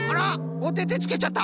おててつけちゃった！